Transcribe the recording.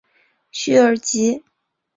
叙尔吉。